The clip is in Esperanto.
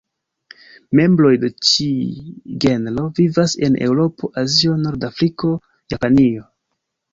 Membroj de ĉi genro vivas en Eŭropo, Azio, Norda Afriko, Japanio.